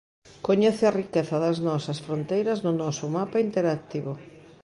Coñece a riqueza das nosas fronteiras no noso mapa interactivo.